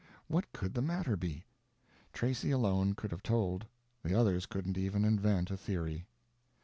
What could the matter be? Tracy alone could have told, the others couldn't even invent a theory.